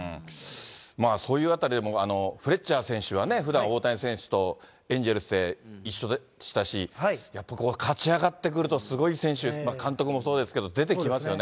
そういうあたりでも、フレッチャー選手はね、ふだん大谷選手とエンゼルスで一緒でしたし、やっぱり勝ち上がってくると、すごい選手、監督もそうですけど、出てきますよね。